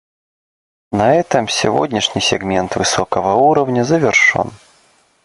На этом сегодняшний сегмент высокого уровня завершен.